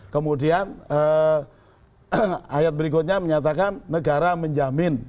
kemudian ayat berikutnya menyatakan negara menjamin